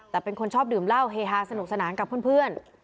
แต่เป็นคนชอบดื่มเหล้าเฮฮาสนุกสนานกับเพื่อน